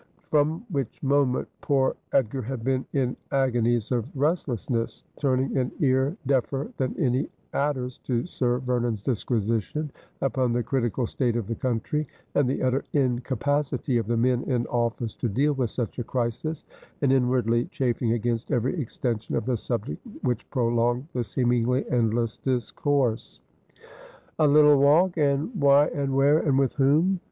From which moment poor Edgar had been in agonies of rest lessness, turning an ear deafer than any adder's to Sir Vernon's disquisition upon the critical state of the country, and the utter incapacity of the men in oflBce to deal with such a crisis, and inwardly chafing against every extension of the subject which prolonged the seemingly endless discourse. ' A little walk !' and why, and where, and with whom